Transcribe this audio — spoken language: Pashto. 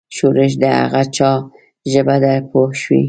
ښورښ د هغه چا ژبه ده پوه شوې!.